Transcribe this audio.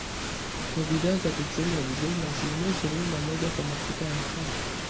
kwa bidhaa ya petroli na dizeli na asilimia ishirini na moja kwa mafuta ya taa